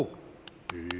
へえ。